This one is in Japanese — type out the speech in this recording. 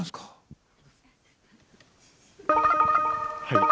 はい。